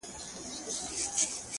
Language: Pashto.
خوگراني زه نو دلته څه ووايم _